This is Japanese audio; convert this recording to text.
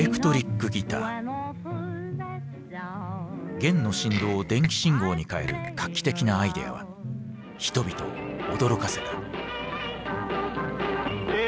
弦の振動を電気信号に変える画期的なアイデアは人々を驚かせた。